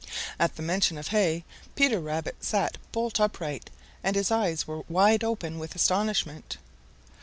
At the mention of hay, Peter Rabbit sat bolt upright and his eyes were wide open with astonishment.